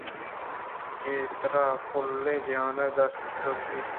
کہ ترا کُلّیں جہانءَدوست دارگ بیت